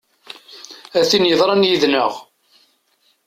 A tin yeḍran yid-neɣ!